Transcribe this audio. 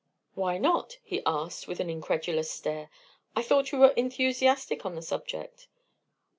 "Why not?" he asked, with an incredulous stare. "I thought you were enthusiastic on the subject."